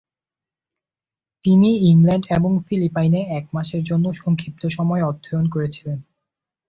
তিনি ইংল্যান্ড এবং ফিলিপাইনে এক মাসের জন্য সংক্ষিপ্তসময় অধ্যয়ন করেছিলেন।